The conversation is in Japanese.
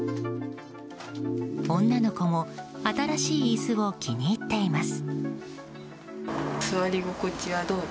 女の子も新しい椅子を気に入っています。